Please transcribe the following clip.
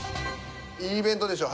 いいイベントでしょ